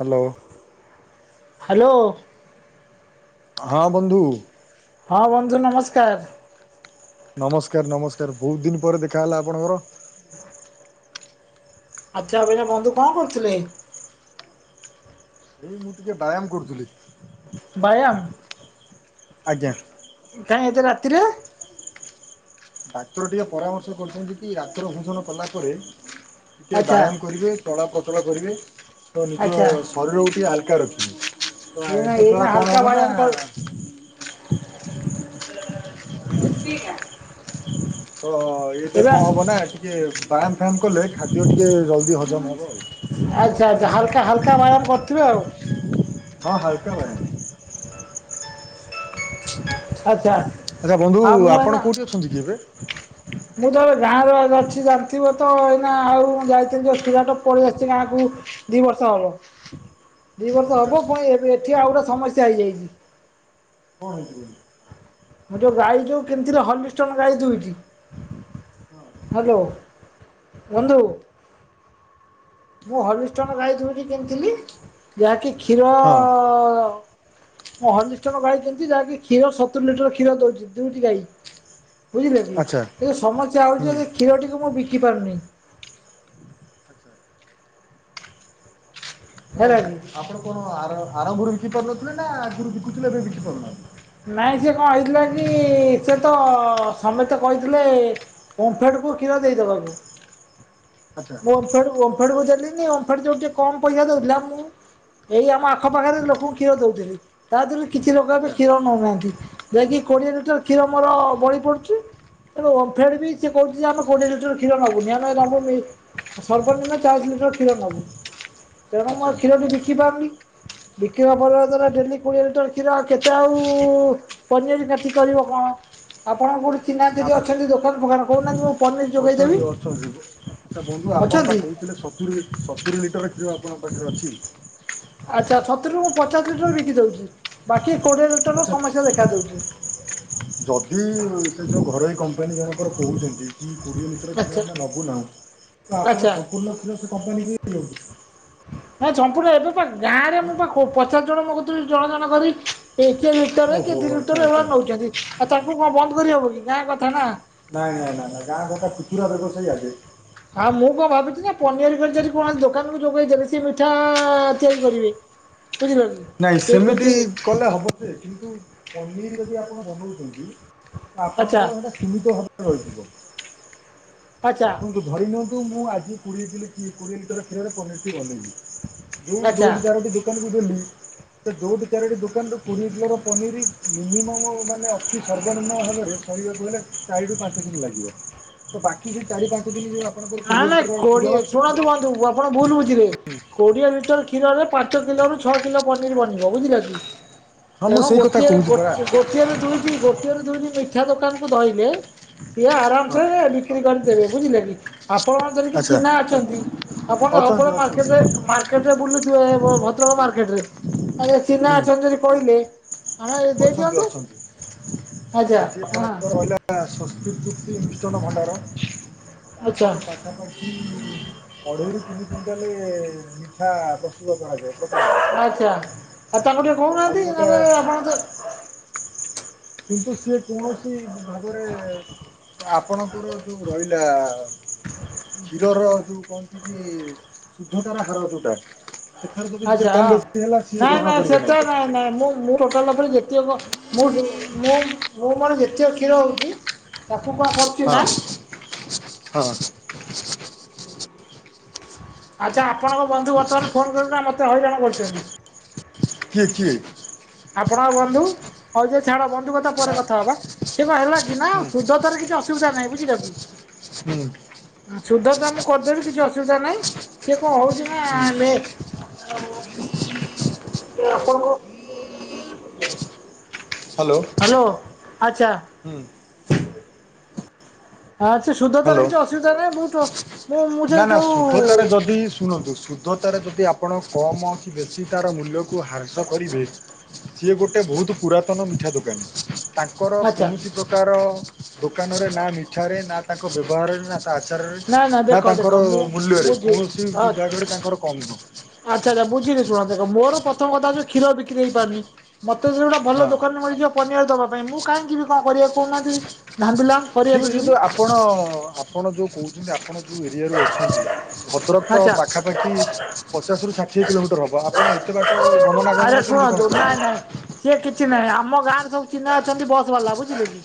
Hello. Hello. ହଁ- ବନ୍ଧୁ। ହଁ, ବନ୍ଧୁ ନମସ୍କାର। ନମସ୍କାର, ନମସ୍କାର ବହୁତ ଦିନ ପରେ ଦେଖାହେଲା ଆପଣଙ୍କର। ଆଚ୍ଛା ଏବିନା ବନ୍ଧୁ କଣ କରୁଥିଲେ। ଏଇ ମୁଁ ଟିକେ ବାୟାମ କରୁଥିଲି। ବାୟାମ। ଆଜ୍ଞା। କାଇଁ ଏତେ ରାତିରେ? ଡାକ୍ତର ଟିକେ ପରାମର୍ଶ କରୁଛନ୍ତି କି, ରାତ୍ର ଭୋଜନ କଲା ପରେ ଟିକେ ଆଚ୍ଛା ବାୟାମ କରିବେ, ଚଳା ପ୍ରଚଳ କରିବେ ତ ନିଜ ଆଚ୍ଛା ଶରୀରକୁ ଟିକେ ହାଲକା ରଖିବେ। ଏଇନା ଏଇନା ଏତଦ୍ଵାରା ହାଲକା କଣ ହବ ନା। ବ୍ୟାୟାମ କର [unintelligible] ତ ଏବେ କଣ ହବ ନା, ଟିକେ ବାୟାମ ଫାୟାମ କଲେ ଖାଦ୍ୟ ଟିକେ ଜଲ ହଜମ ହବ ଆଉ। ଆଚ୍ଛା, ଆଚ୍ଛା, ହାଲକା ହାଲକା ବାୟାମ କରିଥିବେ ଆଉ। ହଁ, ହାଲକା ବାୟାମ। ଆଚ୍ଛା। ଆଚ୍ଛା ବନ୍ଧୁ, ଆଉ ମୁଁ ଏଇନା ଆପଣ କୋଉଠି ଅଛନ୍ତି କି ଏବେ। ମୁଁ ତ ଗାଁରେ ଅଛି ଜାଣିଥିବ ତ ଏଇନା ଆଉ ମୁଁ ଯାଇଥିଲି ଯୋଉ ସୁରାଟ ପଳେଇ ଆସିଛି ଗାଁକୁ। ଦି ବର୍ଷ ହବ। ଦି ବର୍ଷ ଆଚ୍ଛା ହବ, ପୁଣି ଏବେ ଏଠି ଆଉ ଗୋଟେ ସମସ୍ୟା ହେଇଯାଇଛି। କଣ ହେଇଛି? ମୁଁ ଯୋଉ ଗାଈ ଯୋଉ କିଣିଥିଲି ହଲିଷ୍ଟନ୍ ଗାଈ ଦୁଇଟି। ହ୍ୟାଲୋ ବନ୍ଧୁ। ମୁଁ ହଲିଷ୍ଟନ ଗାଈ ଦୁଇଟି କିଣିଥିଲି, ଯାହାକି କ୍ଷୀର ହଁ। ତ ମୁଁ ହଲିଷ୍ଟନ ଗାଈ କିଣିଛି ଯାହାକି କ୍ଷୀର ସତୁରୀ ଲିଟର କ୍ଷୀର ଦଉଛି ଦୁଇଟି ଗାଈ। ବୁଝିଲେ କି? ଆଚ୍ଛା କିନ୍ତୁ ସମସ୍ୟା ହୁଁ। ହେଉଛି ଯେ କ୍ଷୀରଟିକୁ ମୁଁ ବିକି ପାରୁନି। ଆଚ୍ଛା ମାନେ ହେଲା କି ଆପଣ କଣ ଆର ଆରମ୍ଭରୁ ବିକି ପାରୁନଥିଲେ ନା ଆଗରୁ ବିକୁଥିଲେ ଏବେ ବିକି ପାରୁନାହାନ୍ତି। ନାଇଁ ସେ କଣ ହେଇଥିଲା କି ସେ ତ ସମେତେ କହିଥିଲେ ଓମ୍ଫେଡ୍ କୁ କ୍ଷୀର ଦେଇଦବାକୁ। ଆଚ୍ଛା। ହେଇଠୁ ଓମ୍ଫେଡ୍ କୁ ଦେଲିିନି। ଓମ୍ଫେଡ୍ ଯୋଉ ଟିକେ କମ୍ ପଇସା ଦେଉଥିଲା ମୁଁ ଏଇ ଆମ ଆଖପାଖରେ ଲୋକଙ୍କୁ କ୍ଷୀର ଦଉଥିଲି। ତା ଦେହରୁ କିଛି ଲୋକ ଏବେ ଆଚ୍ଛା କ୍ଷୀର ନଉନାହାନ୍ତି। ଯାହାକି କୋଡିଏ ଲିଟର କ୍ଷୀର ମୋର ବଳି ପଡୁଛି। ତେଣୁ ଓମ୍ଫେଡ୍ ବି ହୁଁ ସେ କହୁଛି ଯେ ଆମେ କୋଡିଏ ଲିଟର କ୍ଷୀର ନବୁନି ଆମେ ନବୁ ମି ସବୁଦିନ ଚାଳିଶ ଲିଟର କ୍ଷୀର ନବୁ। ତେଣୁ ମୁଁ ଆଉ ଆଚ୍ଛା କ୍ଷୀରଟି ବିକି ପାରୁନି ବିକିନପାରିବା ଦ୍ୱାରା ଡେଲି କୋଡିଏ ଲିଟର କ୍ଷୀର ଆଉ କେତେ ତ ଆଉ ପନିର କାଠି କରିବ କଣ? ଆପଣ କୋଉଠି ଚିହ୍ନା ଆ ଯଦି ଅଛନ୍ତି ଦୋକାନ ଫୋକାନ କହୁନାହାନ୍ତି ମୁଁ ପନିର ଯୋଗେଇଦେବି ଅଛନ୍ତି, ଅଛନ୍ତି। ଆଚ୍ଛା ବନ୍ଧୁ ଆପଣପା ଅଛନ୍ତି? କହୁଥିଲେ ସତୁରୀ ସତୁରୀ ଲିଟର କ୍ଷୀର ଆପଣଙ୍କ ପାଖରେ ଅଛି। ଆଚ୍ଛା, ସତୁରୀରୁ ମୁଁ ପଚାଶ ଲିଟର ବିକି ଦଉଛି। ବାକି କୋଡ଼ିଏ ଲିଟର ର ଆଚ୍ଛା ସମସ୍ୟା ଦେଖା ଦଉଛି। ଯଦି ସେ ଯୋଉ ଘରୋଇ କମ୍ପାନୀ ଜଣକର କହୁଛନ୍ତି। କୋଡିଏ ଲିଟର କ୍ଷୀର ଆଚ୍ଛା ଆମେ ନବୁନାହୁଁ। ତ ଆଚ୍ଛା ଆପଣ ସମ୍ପୂର୍ଣ୍ଣ କ୍ଷୀର ସେ କମ୍ପାନୀ କି ଦେଇଦିଅନ୍ତୁ ନା ସମ୍ପୂର୍ଣ ଏବେ କୁଆଡୁ। ଗାଁରେ ମୁଁ ପା ପଚାଶ ଜଣ ମୋ କତିରୁ ଜଣ ଜଣ କରି କିଏ ଲିଟରେ କିଏ ଓହୋ ଦି ଆଚ୍ଛା ଲିଟର ଆଚ୍ଛା ଏଇଭଳିଆ ନେଉଛନ୍ତି, ଆଉ ତାଙ୍କୁ କଣ ବନ୍ଦ କରିହବ କି ଗାଁ କଥା ନା। ନାଇଁ ନାଇଁ ନା ନା ଗାଁ କଥା ଖୁଚୁରା ବ୍ୟବସାୟୀ ଆଗେ। ଆଉ ମୁଁ କଣ ଭାବିଛି ନା ପନିର କରି ଯଦି କୌଣସି ଦୋକାନକୁ ଯୋଗେଇ ଦେବେ ସେ ମିଠା ତିଆରି କରିବେ। ବୁଝିଲ ନାଇଁ କି? ସେମିତି କି କଲେ ହବ ଯେ କିନ୍ତୁ ପନିର ଯଦି ଆପଣ ବନଉଛନ୍ତି ତ ଆଚ୍ଛା ଆପଣଙ୍କର ସେଇଟା ସୀମିତ ଭାବରେ ରହିଯିବ। ଆଚ୍ଛା ଦେଖନ୍ତୁ ଧରି ନିଅନ୍ତୁ ମୁଁ ଆଜି କୋଡିଏ କିଲୋ କୋଡ଼ିଏ ଲିଟର କ୍ଷୀରରେ ପନିରଟି ବନେଇଲି। ଯୋଉଠି ଆଚ୍ଛା ଯୋଉଠି ଚାରଟି ଦୋକାନକୁ ଦେଲି। ତ ହୁଇଟି ଚାରୋଟି ଦୋକାନରୁ କୋଡ଼ିଏ କିଲୋର ପନିର ମିନିମମ୍ ମାନେ ଅଛି ସର୍ବନିମ୍ନ ଭାବରେ କହିବାକୁ ହେଲେ ଚାରି ରୁ ପାଞ୍ଚ କିଲି ଲାଗିବ ତ ବାକି ଯଉ ଚାରି ପାଞ୍ଚ କିଲି [unintelligible] ନାଇଁ ନାଇଁ କୋଡିଏ ଶୁଣନ୍ତୁ ବନ୍ଧୁ ଆପଣ ଭୁଲ ବୁଝିଲେ କୋଡିଏ ଲିଟର କ୍ଷୀରରେ ପାଞ୍ଚ କିଲୋ ରୁ ଛଅ କିଲୋ ପନିର ବନିବ ବୁଝିଲ କି ହଁ ମୁଁ ତେଣୁ ସେଇ କଥା ଗୋଟିଏ କହୁଛି ପରା। ଗୋଟିଏ ଗୋଟି ଗୋଟିଏରୁ ଦୁଇଟି ଗୋଟିଏରୁ ଦୁଇଟି ମିଠା ଦୋକାନ କୁ ଧଇଲେ ସିଏ ଆରାମ ହଁ ସେ ବିକି ବିକ୍ରି କରିଦବେ ବୁଝିଲେ କି ଆପଣଙ୍କ ଯଦି କିଏ ଆଚ୍ଛା ଚିହ୍ନା ଅଛନ୍ତି ଆପଣ ଅଛନ୍ତି ଅପାଙ୍କ ମାର୍କେଟ ଅଛନ୍ତି ରେ ମାର କେଟ ରେ ବୁଲୁଥିବେ ଭଦ୍ରକ ମାର୍କେଟ ରେ ଆଉ ଜେ ଚିହ୍ନା ଅଛନ୍ତି ଯଦି କହିଲେ ଆମେ ଯଦି ହୁଁ ଅଛନ୍ତି ଦେଇଦିଅନ୍ତୁ ଅଛନ୍ତି। ଆଛା ହାଁ ସଂସ୍କୃତୃତି ମିଷ୍ଟନ ଭଣ୍ଡାର ଆଚ୍ଛା ତାଙ୍କର ପାଖାପାଖି ଅଢେଇରୁ ତିନି କୁଇଣ୍ଟାଲ ମିଠା ପ୍ରସ୍ତୁତ କରାଯାଏ। ପ୍ରତିଦିନ, ଆଚ୍ଛା ଆଉ ତାଙ୍କୁ ଟିକେ ଆଉ କହୁନାହାନ୍ତି ଗୋଟେ ନହେଲେ ଆପଣ ତ [unintelligible] ସିଏ କୌଣସି ଭାବରେ ଆପଣଙ୍କର ଯୋଉଁ ରହିଲା କ୍ଷୀରର ଯୋଉଁ କହନ୍ତି କି ଶୁଦ୍ଧତାର ହାର ଯୋଉଟା ସେଥିରେ ଯଦି ସେ ଆଚ୍ଛା କମ୍ ବେଶୀ ହେଲା ସିଏ ନାଇଁ ଗ୍ରହଣ ନାଇଁ କରିବେ ସେତା ନାହିଁ ତାକୁ ନାଇଁ ନାଇଁ ମୁଁ ମୁଁ ଟୋଟାଲ ଉପରେ ଦେ ଖିଥିବା ମୁଁ ମୁଁ ମୁଁ ମୋର ଯେତିକ କ୍ଷୀର ହଉଛି ତାକୁ କଣ କରୁଛି ନା ହଁ- ହଁହଁ ଆଚ୍ଛା ଆପଣଙ୍କ ବନ୍ଧୁ ବର୍ତ୍ତମାନ ଫୋନ କରିବୁ ନାଁ ମତେ ହଇରାଣ କରୁଚନ୍ତି। କିଏ, କିଏ? ଆପଣଙ୍କ ବନ୍ଧୁ ହଉ ଯେ ଛାଡ ବନ୍ଧୁ କଥା ପରେ କଥା ହବା ସେ କଣ ହେଲା କି? ନାଁ ହୁଁ ସୁଧତାର କିଛି ଅସୁବିଧା ନାହିଁ ବୁଝିଲ କି? ହୁଁ ସୁଧ ତ ମୁଁ ଖୋଜି ଦେବି କିଛି ଅସୁବିଧା ନାହିଁ। ସିଏ କଣ ହଉଛି ହୁଁ ନାଁ ଲେ ସିଏ ଆପଣଙ୍କୁ [inaudible] ହାଲୋ ହାଲୋ ଆଚ୍ଛା ଅଚ୍ଛା ସୁଧ ତାର ହ୍ୟାଲୋ କିଛି ଅସୁବିଧା ନାହିଁ ମୁଁତ ମୁଁ ମୁଁ ସେ ନା ନା ଯୋଉ ଶୁଦ୍ଧତାରେ ଯଦି ଶୁଣନ୍ତୁ ଶୁଦ୍ଧତାର ଯଦି ଆପଣ କମ୍ କି ବେଶୀ ତାର ମୂଲ୍ୟକୁ ହ୍ରାସ କରିବେ ସିଏ ଗୋଟେ ବହୁତ ପୁରାତନ ମିଠା ଦୋକାନୀ ତାଙ୍କର ଆଚ୍ଛା। କୌଣସି ପ୍ରକାର ଦୋକାନ ରେ ନାଁ ମିଠାରେ ନାଁ ତାଙ୍କ ବ୍ୟବହାରରେ ନାଁ ତା ଆଚାରରେ ନା ଦେଖ ଦେଖ ତାଙ୍କର ମୁଁ ମୂଲ୍ୟରେ ବୁଝି କୌଣସି ହଁ ଆଚ୍ଛା ବିଭାଗରେ ତାଙ୍କର କମ୍ ନୁହଁ। ଆଚ୍ଛା ଆଛା ବୁଝିଲି ଶୁଣ ଦେଖ ମୋର ପ୍ରଥମ କଥା ହଉଚି କ୍ଷୀର ବିକ୍ରି ହେଇପାରୁନି। ମୋତେ ଯଦି ଗୋଟେ ଭଲ ହଁ। ଦୋକାନରେ ମିଳିଯିବ ପନିଆରି ଦେବା ପାଇଁ ମୁଁ କାହିଁକି ଯିବି କଣ କରିବାକୁ କହୁନାହାଁନ୍ତି ଝାମିଲା ଠିକ ଅଛି ଯଦି ଆପଣ ଆପଣ ଯୋଉ କହୁଛନ୍ତି ଆପଣ ଯୋଉ ଏରିଆରୁ ଅଛନ୍ତି ଭଦ୍ରକ ତ ଆଚ୍ଛା ପାଖାପାଖି ପଚାଶ ରୁ ଷାଠିଏ କିଲୋମିଟର ହବ। ଆପଣ ଏତେ ବାଟରୁ ତ ଗମନାଗମନ କେମିତି କଣ କରିବେ ସେ କିଛି ନାଇଁ ଆମ ଗାଁ ରେ ସବୁ ଚିହ୍ନା ଅଛନ୍ତି ବସ୍ ବାଲା ବୁଝିଲେ କି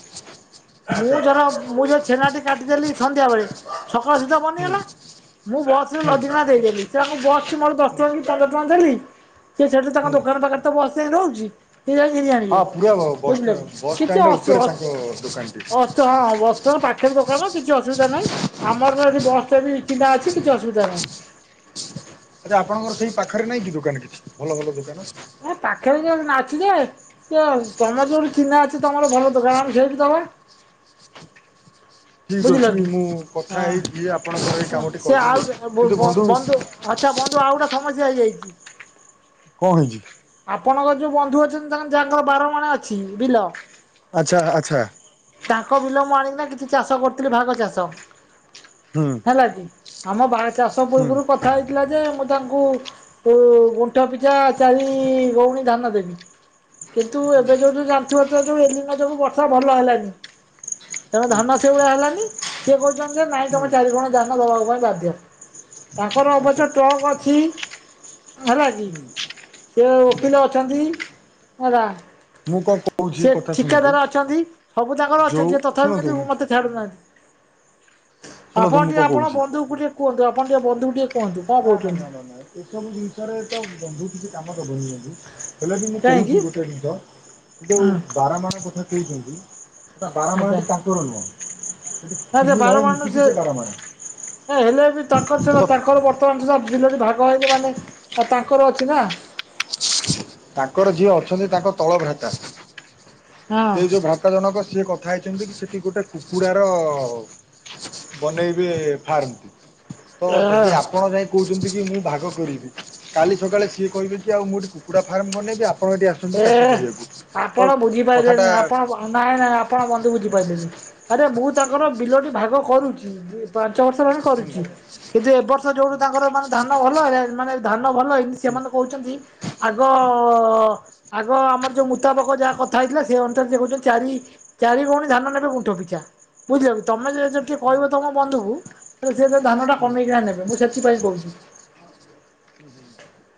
ମୁଁ ଆଚ୍ଛା ଧର ମୁଁ ଯୋଉ ଛେନାଟି କାଟିଦେଲି ସନ୍ଧ୍ୟା ବେଳେ ସକାଳ ସୁଦ୍ଧା ହୁଁ ବନିଗଲା ମୁଁ ବସ ରେ ହୁଁ ଲଦିକିନା ଦେଇଦେଲି ସେ ବସ୍ ଟି ମୋର ଦଶ ହୁଁ ଟଙ୍କା କି ପନ୍ଦରଟଙ୍କା ଟଙ୍କା ଦେଲି ସେ ସେଠୁ ତାଙ୍କ ହୁଁ। ଦୋକାନ ପାଖରେ ତ ବସ ଯାଇ ରହୁଚି ସେ ଯାଇ ଘିନିଆଣିବେ ହଁ ପୁରା ବସ୍ ବୁଝିଲ କି। ବସ୍ କିଛି ଷ୍ଟାଣ୍ଡ ଅସୁୁ ଉପରେ ତାଙ୍କ ଅସୁ ଦୋକାନଟି। ଅସୁବିଧା ହବନି ତ ପାଖରେ ଦୋକାନ କିଛି ଅସୁବିଧା ନାହିଁ ଆମର ଏଠି ବସ ରେ ଵି ଚହ୍ନା ଅଛି କିଛି ଅସୁବିଧା ନାହିଁ। ଆରେ ଆପଣଙ୍କର ସେଇ ପାଖରେ ନାଇଁ କି ଦୋକାନ କିଛି ଭଲ ଭଲ ଦୋକାନ ନାଁ ପାଖରେ ଯେ ନା ଅଛି ଯେ ତୁମର ଯେଉଁଠି ଚିହ୍ନା ଅଛି ତମର ଭଲ ଦୋକାନ ଆମେ ସେଇଠି ଦବା। ଠିକ୍ ବୁଝିଲ ଅଛି କି ମୁଁ କଥା ହଁ। ହେଇକି ଆପଣଙ୍କର ଏଇ ଶୁଣ କାମଟି ସେ ଆଉ କରିଦେଵି କିନ୍ତୁ ବନ୍ଧୁ ଆଚ୍ଛା ବନ୍ଧୁ ଆଉ ଗୋଟେ ସମସ୍ୟା ହେଇଯାଇଚି। କଣ ହେଇଚି? ଆପଣଙ୍କ ଯୋଉ ବନ୍ଧୁ ଅଛନ୍ତି ତାଙ୍କ ଯାଙ୍କର ବାର ମାଣ ଅଛି ବିଲ ଆଚ୍ଛା ଆଛା। ତାଙ୍କ ବିଲ ମୁଁ ଆଣିକିନା କିଛି ଚାଷ କରୁଥିଲି ଭାଗ ଚାଷ। ହୁଁ। ହେଲାକି ଆମ ବାହା ଚାଷ ହୁଁ ପୂର୍ବରୁ କ କଥା ହେଇଥିଲା ଯେ ମୁଁ ତାଙ୍କୁ ଉ ଗୁଣ୍ଠ ପିଛା ଚାରି [inaudible] ଗଉଣୀ ଧାନ ଦେବି କିନ୍ତୁ ଏବେ ଯୋଉଠି ଜା ଥିବ ଥିବ ଯୋଉ ଏ ଦିନ ଯୋଗୁ ବର୍ଷା ଭଲ ହେଲାନି। ତେଣୁ ଧାନ ସେଇଭଳିଆ ହେଲାନି ସିଏ କହୁଛନ୍ତି ଯେ ନାଇଁ ହୁଁ ତମେ ଚାରିଗଉଣି ଧାନ ଦବାକୁ ପାଇଁ ବାଧ୍ୟ। ତାଙ୍କର ଆଚ୍ଛା ଅବଶ୍ୟ ଟ୍ରକ୍ ଅଛି ହେଲା କିି ହୁଁ ସେ ଓକିଲ ଅଛନ୍ତି ହେଲା ମୁଁ କଣ କହୁଛି ସେ କଥା ଶୁଣନ୍ତୁ ଠିକାଦାର ଅଛନ୍ତି ସବୁ ତାଙ୍କର ଯୋଉ ଅଛନ୍ତି ସେ ତଥାପି ଶୁଣନ୍ତୁ କିନ୍ତୁ ମୋତେ ଛାଡୁନାହାନ୍ତି ଶୁଣନ୍ତୁ ଆପଣ ମୁଁ ଟିକେ କଣ ଆପଣ କହୁଛି ବନ୍ଧୁକୁ ଟିକେ କୁହନ୍ତୁ ଆପଣ ଟିକେ ବନ୍ଧୁ ଟିକେ କୁହନ୍ତୁ କଣ ନା ନା କହୁଛନ୍ତି? ନା ନା ଏସବୁ ଜିନିଷରେ ତ ବନ୍ଧୁ କିଛି କାମ ଦବନି। ହେଲେ ବି ମୁଁ କାହିଁକି କହୁଚି ଗୋଟେ ଜିନଷ ଯୋଉ ହଁ ବାର ମାଣ କଥା କହୁଚନ୍ତି ସେଟା ଆଚ୍ଛା ବାରମାଣଟି ତାଙ୍କର ନୁହଁ ସେଠି ତିନି ଭାଇ ମିଶିକି ସେ ବାରମାଣ। ଏ ହେଲେ ବି ତାଙ୍କର ସିନା ତ ତାଙ୍କର ବର୍ତ ମାନ ସୁଧା ବିଲଟି ଭାଗ ହେଇନି ମାନେ ତାଙ୍କର ଅଛି ନା। ତାଙ୍କର ଯିଏ ଅଛନ୍ତି ତାଙ୍କ ତଳ ଭ୍ରାତା ସେ ଯୋଉ ଭ୍ରା [inaudible] ଜନକ ସିଏ କଥା ହେଇଚନ୍ତି କି ସେଠି ଗୋଟେ କୁକୁଡାର ବନେଇବେ ଫାର୍ମ ଟି। ତ ଯଦି ହଁ ଆପଣ ଯାଇଁ କହୁଚନ୍ତି କି ମୁଁ ଭାଗ କରିବି କାଲି ସକାଳେ ସିଏ କହିବେ କି ଆଉ ମୁଁ ଏଠି କୁ କୁକୁଡ଼ା ଫାର୍ମ ବନେଇବି ବି ଆପଣ ଏଠି ଆସୁଛନ୍ତି ଏ ଚାଷ କରିବାକୁ ତ କଥାଟା ହଁ ନାଇଁ ନାଇଁ ଆପଣ ବନ୍ଧୁ ବୁଝିପାରିଲେନି। ଆରେ ମୁଁ ତାଙ୍କର ବିଲଟି ଭାଗ କରୁଚି ପାଞ୍ଚ ବର୍ଷ ହେଲାଣି। ହୁଁ କରୁଚି କିନ୍ତୁ ଏବ ବର୍ଷ ଯୋଉଠୁ ତାଙ୍କର ମାନେ ଧାନ ଭଲ ହେଲା ମାନେ ଧାନ ଭଲ ହେଇନି ସେମାନେ କହୁଚନ୍ତି ଆଗ ଆଗ ଆମର ଯୋଉ ମୁତାବକ ଯାହା କଥା ହେଇଥିଲା ସେଇ ଅନୁସାରେ କହୁଛନ୍ତି ଚାରି ଚାରି ଗଉଣୀ ଧାନ ନେବେ କୁଣ୍ଠ ପିଛା ବୁଝିଲ କି ତମେ ଯ ଟିକେ କହିବ ହୁଁ ତମ ବନ୍ଧୁକୁ ହେଲେ ସେ ତ ଧାନ ଟା ହୁଁ କମେଇକିନା ନେବେ ମୁଁ ସେଥିପାଇଁ କହୁଚି।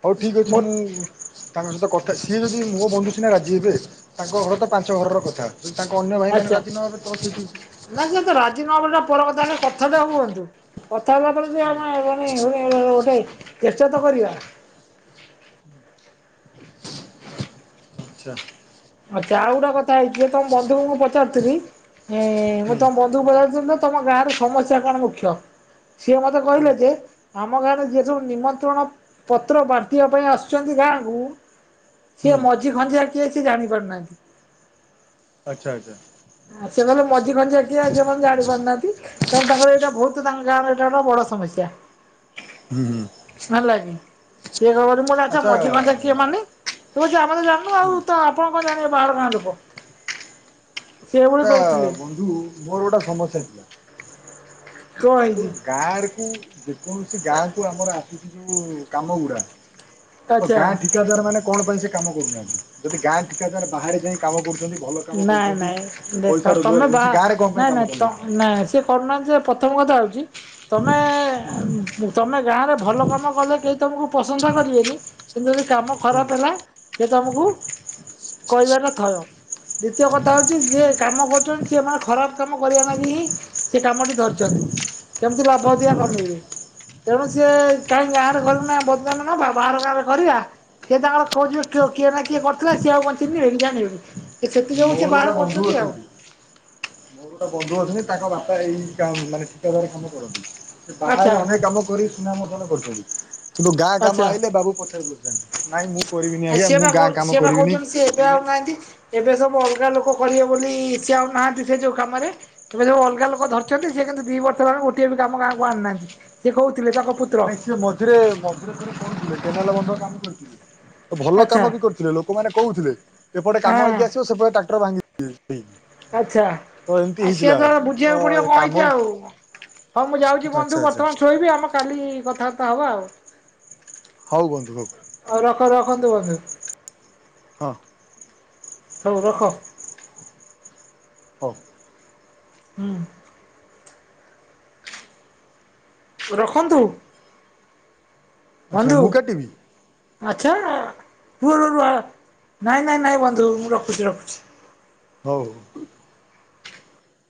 ହଉ ଠିକ୍ ଅଛି ମୁଁ ତାଙ୍କ ସହିତ କଥା ସିଏ ଯଦି ମୋ ବନ୍ଧୁ ସିନା ରାଜି ହେବେ ତାଙ୍କ ଘର ତ ପାଞ୍ଚ ଘରର କଥା। ଯଦି ତାଙ୍କ ଅନ୍ୟ ଭାଇ ମାନେ ରାଜି ନ ହେବେ ତ ସେଇଠି ନାଇଁ ସେ ତ ରାଜି ନ ହେବା ଟା ପର କଥା [unintelligible] କଥାଟା ହୁହନ୍ତୁ। କଥା ହେଲା ପରେ ଜଣେ ଜଣେ ଜଣେ [unintelligible] ଗୋଟେ ଚେଷ୍ଟା ତ କରିବା। ଆଚ୍ଛା ଆଚ୍ଛା ଆଉ ଗୋଟେ କଥା ହେଇଚି ଯେ ତମ ବନ୍ଧୁଙ୍କୁ ମୁଁ ପଚାରୁଥିଲି ହେଁ ମୁଁ ହୁଁ ତମ ବନ୍ଧୁଙ୍କୁ ପଚାରୁଥିଲି ତ ତମ ଗାଁ ରେ ସମସ୍ୟା କଣ ମୁଖ୍ୟ। ସିଏ ମୋତେ ହୁଁ କହିଲେ ଯେ ଆମ ଗାଁରେ ଯିଏ ସବୁ ନିମନ୍ତ୍ରଣ ପତ୍ର ବାଣ୍ଟିବା ପାଇଁ ଆସୁଚନ୍ତି ଗାଁକୁ ସିଏ ହୁଁ ମଝି ଖଞ୍ଜିଆ କିଏ ସେ ଜାଣି ପାରୁନାହାନ୍ତି। ଆଚ୍ଛା ଆଚ୍ଛା। ଆ ସେମାନେ ମଝି ଖଞ୍ଜିଆ କିଏ ସେମାନେ ଜାଣି ପାରୁନାହାନ୍ତି। ତେଣୁ ତାଙ୍କର ଏଇଟା ବହୁତ ତାଙ୍କ ଗାଁର ଏଇଟା ଗୋଟେ ବଡ ସମସ୍ୟା ହୁଁ ହୁଁ ହେଲା କିି ସିଏ କ ମୁଁଛା [inaudible] ଆଚ୍ଛା ମଝି କଞ୍ଚା କିଏ ଆଚ୍ଛା ମାନେ ସିଏ ତ କହୁଛି ଆମେ ଜାଣିନୁ ଆଉ ତ ଆପଣ କଣ ଜାଣିବେ ବାହାର ଗାଁ ଲୋକ ସେ ଏଭଳି ଏଟା କହୁଥିଲେ ବନ୍ଧୁ ମୋର ଗୋଟେ ସମସ୍ୟା ଥିଲା କଣ ଯୋଉ ହେଇଛି ଗାଁ ରେ ଯେକୌଣସି ଗାଁ କୁ ଆମର ଆସୁଛି ଯୋଉ କାମ ଗୁରା ତ ଆଚ୍ଛା ଗାଁ ଠିକାଦାର ମାନେ କଣ ପାଇଁ ସେ କାମ କରୁନାହାନ୍ତି ଯଦି ଗାଁ ଠିକାଦାର ବାହାରେ ଯାଇ କାମ କରୁଛନ୍ତି ଭଲ କାମ ନାଇଁ କରୁଛନ୍ତି ନାଇଁ ଦେଖ ପଇସା ତମେ ରୋଜଗାର ବା ହଉଚି ଗାଁରେ କଣ ପାଇଁ ନାଇଁ କାମ ନାଇଁ ତ କରୁନାହାନ୍ତି ନାଇଁ ସେ କରୁନାହାନ୍ତି ଯେ ପ୍ରଥମ କଥା ହେଉଛି ତମେ ହୁଁ ତମେ ଗାଁରେ ଭଲ କାମ କଲେ କେହି ତମକୁ ପ୍ରଶଂସା କରିବେନି କିନ୍ତୁ ଯଦି କାମ ହୁଁ ଖରାପ ହେଲା ସେ ତମକୁ କହିବାଟା ଥୟ ଦ୍ୱିତୀୟ କଥା ହେଉଛି ହୁଁ। ଯିଏ କାମ କରୁଛନ୍ତି ସେମାନେେ ଖରାପ କାମ କରିବା ନାାଗି ହିଁ ସେ କାମଟି ଧରିଛନ୍ତି କେମିତି ଲାଭ ଅଧିକା ଆଚ୍ଛା କମେଇବେ ତେଣୁ ସିଏ କାହିଁ ଗାଁରେ ନା ବଦନାଵ ବା ବାହାର ଗାଁରେ କରିବା ସେ ତାଙ୍କର କହିବେ କିଏ ନା କିଏ କରିଥିଲେ ସିଏ ଆଉ ଚିହ୍ନି କି ଜାଣିବେକି ଏ ସେଥି ଯୋଗୁଁ ସେ ମୋର ଗୋଟେ ବାହାର ବନ୍ଧୁ କରୁଛନ୍ତି ଆଉ ଅଛନ୍ତି ମୋର ଗୋଟେ ବନ୍ଧୁ ଅଛନ୍ତି ତାଙ୍କ ବାପା ଏଇ ମାନେ ଠିକାଦାରୀ କାମ କରନ୍ତି ସେ ବାହାରେ ଆଚ୍ଛା ଅନେକ କାମ କରି ନା ମୋ କଣ କରୁଛନ୍ତି କିନ୍ତୁ ଗାଁ କାମ ଆଚ୍ଛା। ଆଇଲେ ବାବୁ ପଚାର ବୁଝଛନ୍ତି ନାଇଁ ମୁଁ କରିବିନି ଆଜ୍ଞା ମୁଁ ଗାଁ କାମ କରିବିନି ଏଵେ ଆଉ ନାହାନ୍ତି ଏବେ ସବୁ ଅଲଗା ଲୋକ କରିବେ ବୋଲି ଇଚ୍ଛା ନାହାନ୍ତି ସେ ଯୋଉ କାମରେ ଏବେ ଯୋଉ ଅଲଗା ଲୋକ ଧରିଛନ୍ତି ସିଏ କିନ୍ତୁ ଦି ବର୍ଷ ହେଲା ଗୋଟିଏ ବି କାମ ଗାଁକୁ ଆଣିନାହାନ୍ତି ସିଏ କହୁଥିଲେ ତାଙ୍କ ନାଇଁ ସିଏ ମଝିରେ ମଝିରେ ଥରେ କହୁଥିଲେ କେନାଲ ବନ୍ଧ କାମ କରିଥିଲେ ଭଲ ଆଚ୍ଛା କାମ ବି କରିଥିଲେ ଲୋକମାନେ କହୁଥିଲେ ଏପଟେ ହଁ କାମ ହେଇକି ଆସିବ ସେପଟେ ଟ୍ରାକ୍ଟର ଭାଙ୍ଗି ଆଚ୍ଛା ତ ଏମିତି ଆଉ ସିଏ ହେଇଥିଲା ଏଥର ତ ବୁଝିବାକୁ ପଡିବ କଣ କାମ ହେଇଛି ଆଉ ହଁ ମୁଁ ଯାଉଛି ବନ୍ଧୁ ଆଚ୍ଛା ଆଚ୍ଛା ବର୍ତ୍ତମାନ ଶୋଇବି ଆମେ କାଲି କଥାବାର୍ତ୍ତା ହବା ଆଉ ହଉ ବନ୍ଧୁ ହଉ ହଉ ରଖ ରଖ ରଖନ୍ତୁ ବନ୍ଧୁ ହଁ ହଉ ରଖ ହଉ ହୁଁ ରଖନ୍ତୁ ଆଚ୍ଛା ବନ୍ଧୁ ମୁଁ କାଟିବି ଆଚ୍ଛା ନାଇଁ ନାଇଁ ନାଇଁ ବନ୍ଧୁ ମୁଁ ରଖୁଛି ରଖୁଛି ହଉ